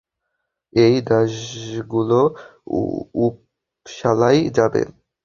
এই দাসগুলো উপসালায় যাবে।